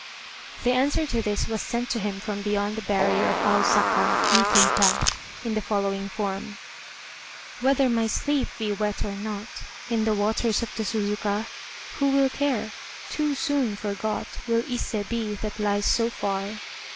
" The answer to this was sent to him from beyond the barrier of Ausaka (meeting path) in the following form: "Whether my sleeve be wet or not, In the waters of the Suzukah, Who will care? Too soon forgot Will Ise be that lies so far."